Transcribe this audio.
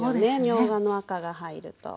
みょうがの赤が入ると。